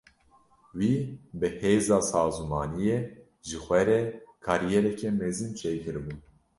Wî bi hêza sazûmaniyê ji xwe re kariyereke mezin çêkiribû.